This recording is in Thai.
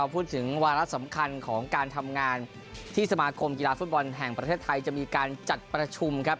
พูดถึงวาระสำคัญของการทำงานที่สมาคมกีฬาฟุตบอลแห่งประเทศไทยจะมีการจัดประชุมครับ